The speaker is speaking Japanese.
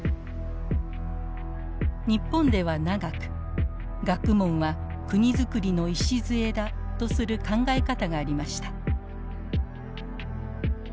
日本では長く学問は国づくりの礎だとする考え方がありました。